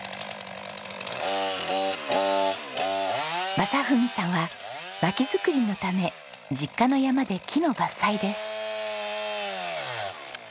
正文さんはまき作りのため実家の山で木の伐採です。